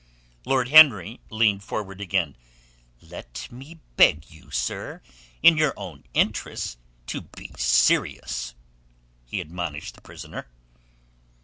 Lord Henry leaned forward again. "Let me beg you, sir, in your own interests to be serious," he admonished the prisoner.